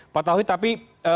pak tauhid tapi